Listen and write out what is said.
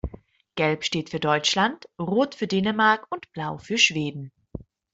Gelb steht für Deutschland, Rot für Dänemark und Blau für Schweden.